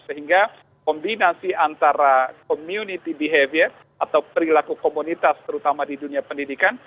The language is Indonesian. sehingga kombinasi antara community behavior atau perilaku komunitas terutama di dunia pendidikan